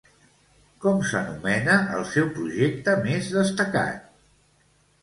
Com s'anomena el seu projecte més destacat?